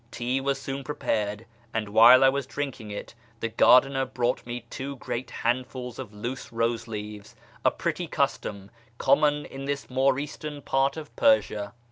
Tea was soon prepared, and while I was drinking it the gardener brought me two great handfuls of loose rose leaves — a pretty custom, common in this more eastern part of Persia.